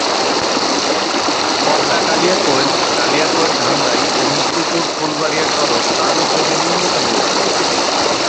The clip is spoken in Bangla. কড্ডা-কালিয়াকৈর, কালিয়াকৈর-ধামরাই এবং শ্রীপুর-ফুলবাড়িয়া সড়ক তার উদ্যোগে নির্মিত হয়েচিল।